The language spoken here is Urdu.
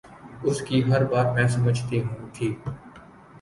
اس کی ہر بات میں سمجھتی تھی